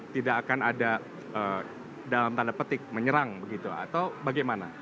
tidak akan ada dalam tanda petik menyerang begitu atau bagaimana